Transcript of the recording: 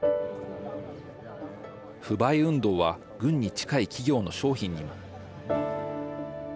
不買運動は軍に近い企業の商品にも。